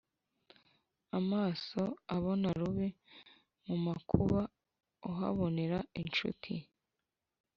amaso abona rubi, mu makuba uhabonera incuti